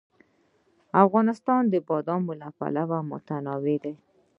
افغانستان د بادام له پلوه متنوع دی.